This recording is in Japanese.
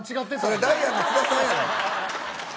それダイアンの津田やん。